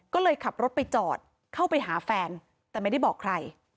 ก็เลยขับรถไปจอดเข้าไปหาแฟนแต่ไม่ได้บอกใคร